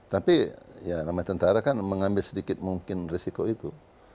tapi ya namanya tentara kan mengambil sedikit mungkin risiko itu